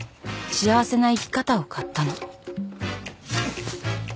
幸せな生き方を買ったの。